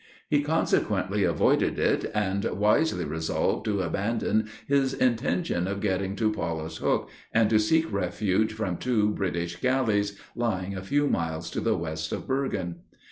He consequently avoided it, and wisely resolved to abandon his intention of getting to Paulus Hook, and to seek refuge from two British galleys, lying a few miles to the west of Bergen.